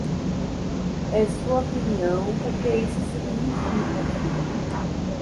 É sua opinião o que isso significa, filho.